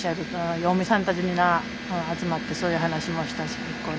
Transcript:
嫁さんたちみんな集まってそういう話もしたし結構ね。